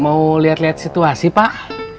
mau liat liat situasi pak